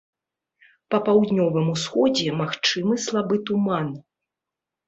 Па паўднёвым усходзе магчымы слабы туман.